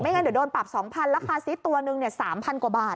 ไม่งั้นเดี๋ยวโดนปรับ๒๐๐๐แล้วคาซีทตัวนึง๓๐๐๐กว่าบาท